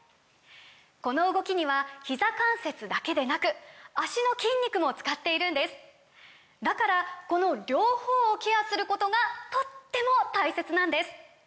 この動きにはひざ関節だけでなく脚の筋肉も使っているんですだからこの両方をケアすることがとっても大切なんです！